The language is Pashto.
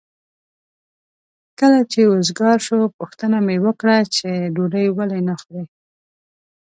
کله چې وزګار شو پوښتنه مې وکړه چې ډوډۍ ولې نه خورې؟